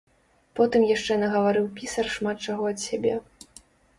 Потым яшчэ нагаварыў пісар шмат чаго ад сябе.